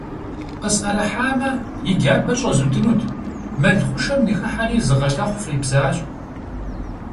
Къысӏэрыхьамэ, и джабэр щӏэзудынут: мэл хъушэм ныхыхьэри, зы гъэлъэхъу фӏибзащ.